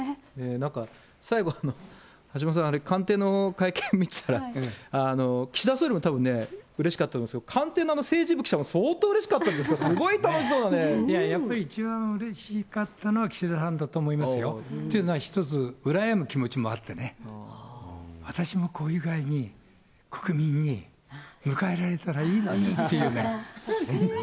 なんか、最後、橋本さん、あれ、官邸の会見見てたら、岸田総理もたぶんね、うれしかったと思いますし、官邸のあの政治部の記者も、相当うれしかったんですか、いや、やっぱり一番うれしかったのは、岸田さんだと思いますよ。というのは一つ、うらやむ気持ちもあってね、私もこういう具合に、国民に迎えられたらいいのにっていうね。